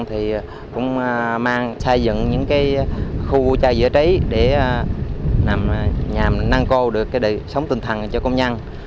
thì cũng mang xây dựng những khu chai giữa trí để nhằm nâng cao được đời sống tinh thần cho công nhân